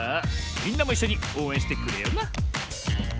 みんなもいっしょにおうえんしてくれよな。